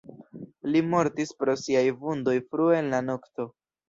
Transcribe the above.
Li mortis pro siaj vundoj frue en la nokto.